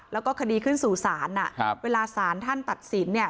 แล้วก็คดีขึ้นสู่ศาลอ่ะเวลาศาลท่านตัดสินเนี่ย